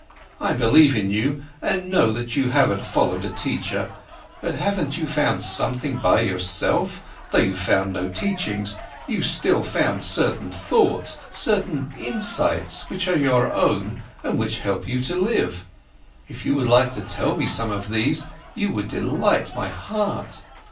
I believe in you and know that you haven't followed a teacher. But haven't you found something by yourself, though you've found no teachings, you still found certain thoughts, certain insights, which are your own and which help you to live? If you would like to tell me some of these, you would delight my heart."